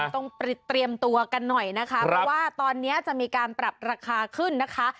ต้องเตรียมตัวกันหน่อยนะคะเพราะว่าตอนนี้จะมีการปรับราคาขึ้นนะคะ